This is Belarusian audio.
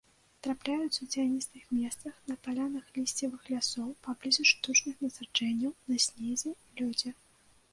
Трапляюцца ў цяністых месцах, на палянах лісцевых лясоў, паблізу штучных насаджэнняў, на снезе, лёдзе.